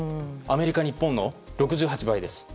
アメリカは日本の６８倍です。